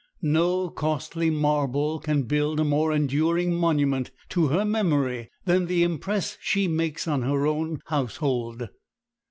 No costly marble can build a more enduring monument to her memory than the impress she makes on her own household.